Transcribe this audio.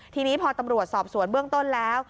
ทีนี้พอตำรวจสอบสวนเบื้องต้นแล้ว